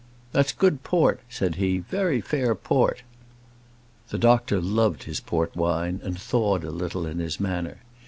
"That's good port," said he; "very fair port." The doctor loved his port wine, and thawed a little in his manner.